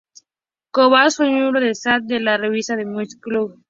Kovacs fue miembro del "staff" de la revista "Rx Muscle".